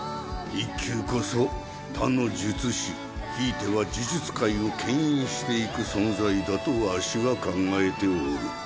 １級こそ他の術師ひいては呪術界を牽引していく存在だとわしは考えておる。